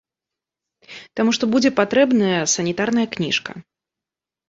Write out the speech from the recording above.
Таму што будзе патрэбная санітарная кніжка.